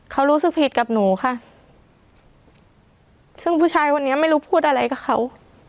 เขารู้สึกผิดกับหนูค่ะซึ่งผู้ชายคนนี้ไม่รู้พูดอะไรกับเขา